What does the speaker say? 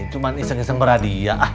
cuman iseng iseng berhadiah